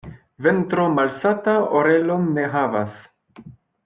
Ventro malsata orelon ne havas.